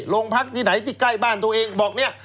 โรงพักที่ไหนที่ใกล้บ้านตัวเองบอกเนี่ย